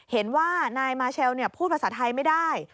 เห็นว่านายมาเชลพูดภาษาไทยไม่ได้